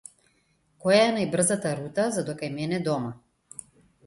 Која е најбрзата рута за до кај мене дома?